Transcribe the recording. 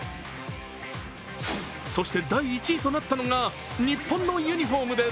そして第１位となったのが日本のユニフォームです。